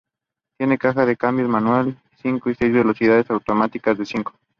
Tiene caja de cambios manual de cinco y seis velocidades o automática de cinco.